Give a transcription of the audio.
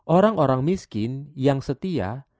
orang orang miskin yang setia